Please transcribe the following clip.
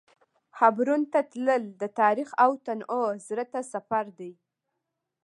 حبرون ته تلل د تاریخ او تنوع زړه ته سفر دی.